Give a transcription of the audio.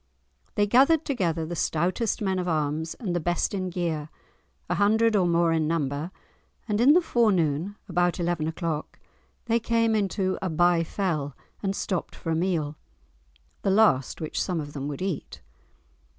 They gathered together the stoutest men of arms and the best in gear, a hundred or more in number, and in the forenoon, about eleven o'clock, they came into a "bye fell" and stopped for a meal—the last which some of them would eat.